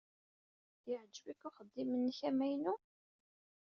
Yeɛjeb-ik uxeddim-nnek amaynu?